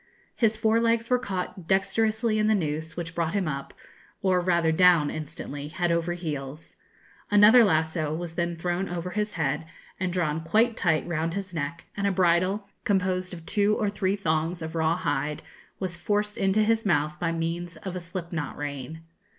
His fore legs were caught dexterously in the noose, which brought him up, or rather down, instantly, head over heels. Another lasso was then thrown over his head, and drawn quite tight round his neck, and a bridle, composed of two or three thongs of raw hide, was forced into his mouth by means of a slip knot rein.